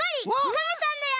カメさんだよ。